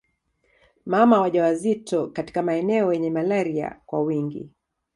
Mama wajawazito katika maeneo yenye malaria kwa wingi